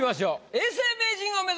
永世名人を目指す